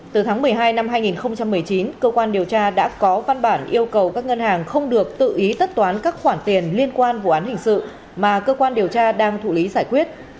từ tháng một mươi hai năm hai nghìn một mươi chín cơ quan điều tra đã có văn bản yêu cầu các ngân hàng không được tự ý tất toán các khoản tiền liên quan vụ án hình sự mà cơ quan điều tra đang thụ lý giải quyết